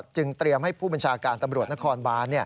จึงเตรียมให้ผู้บัญชาการตำรวจนครบาน